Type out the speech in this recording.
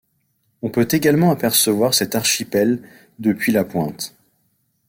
On peut également apercevoir cet archipel depuis la pointe.